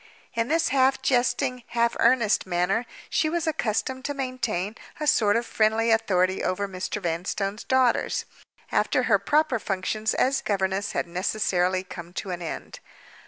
In this half jesting, half earnest manner she was accustomed to maintain a sort of friendly authority over Mr. Vanstone's daughters, after her proper functions as governess had necessarily come to an end.